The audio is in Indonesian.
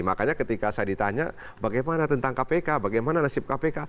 makanya ketika saya ditanya bagaimana tentang kpk bagaimana nasib kpk